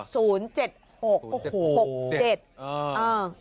ศูนย์๗๖